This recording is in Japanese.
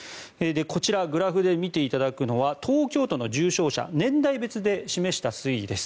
こちらグラフで見ていただくのは東京との重症者年代別で示した推移です。